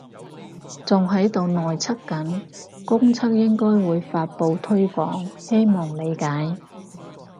仲喺度內測緊，公測應該會發佈推廣，希望理解